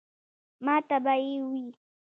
ماته به ئې وې ـ